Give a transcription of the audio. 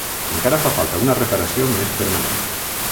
Encara fa falta una reparació més permanent.